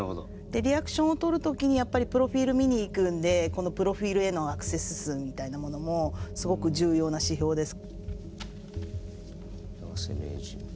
でリアクションをとる時にやっぱりプロフィール見に行くんでこのプロフィールへのアクセス数みたいなものもすごく重要な指標です。